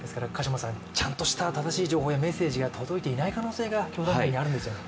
ちゃんとした正しい情報がメッセージが届いていない可能性が教団内にあるんですね。